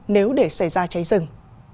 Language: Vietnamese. nếu để xảy ra cháy rừng